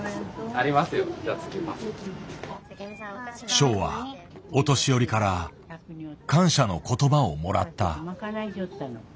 ショウはお年寄りから感謝の言葉をもらった。